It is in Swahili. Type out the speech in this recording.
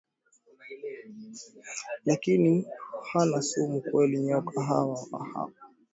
lakini hana sumu kali Nyoka hawa wapo